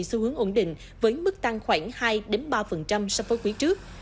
xu hướng ổn định với mức tăng khoảng hai ba so với quý trước